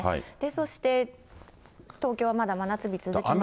そして東京はまだ真夏日続きますし。